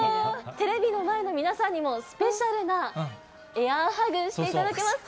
テレビの前の皆さんにも、スペシャルなエアーハグ、していただけますか？